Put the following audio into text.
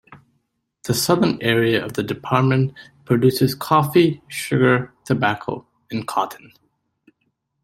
The southern area of the department produces coffee, sugar, tobacco, and cotton.